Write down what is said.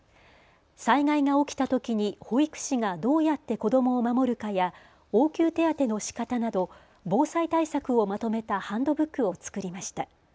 災害が起きたときに保育士がどうやって子どもを守るかや応急手当てのしかたなど防災対策をまとめたハンドブックを作りました。